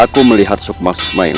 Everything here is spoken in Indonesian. kami bisa terkumpulkan